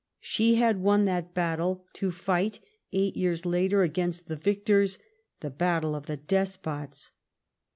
She had won that battle to fight, eight years later, against the victors, the battles of the despots.